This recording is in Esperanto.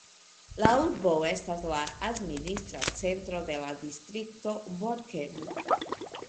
La urbo estas la administra centro de la distrikto Borken.